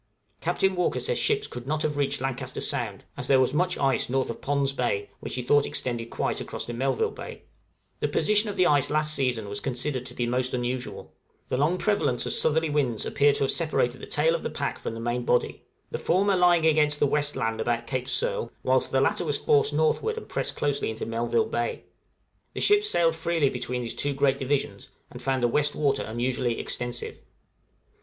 Captain Walker says ships could not have reached Lancaster Sound, as there was much ice north of Pond's Bay which he thought extended quite across to Melville Bay. {UNUSUAL POSITION OF ICE.} The position of the ice last season was considered to be most unusual; the long prevalence of southerly winds appeared to have separated the tail of the pack from the main body, the former lying against the west land about Cape Searle, whilst the latter was forced northward and pressed closely into Melville Bay; the ships sailed freely between these two great divisions, and found the west water unusually extensive.